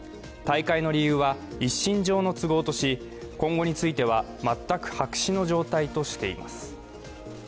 退会の理由は一身上の都合とし、今後については全く白紙の状態とています。